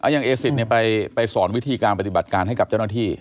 อย่างเอสิตไปสอนวิธีการปฏิบัติการให้กับเจ้าหน้าที่